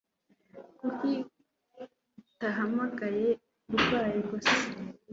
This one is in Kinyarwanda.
Kuki utahamagaye urwaye gusa?